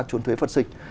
chuốn thuế phân sinh